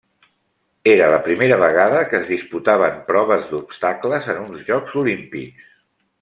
Era la primera vegada que es disputaven proves d'obstacles en uns Jocs Olímpics.